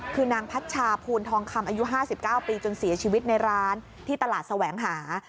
คือนางพัชชาภูนทองคำอายุ๕๙ปีจนเสียชีวิตในร้านที่ตลาดแสวงหา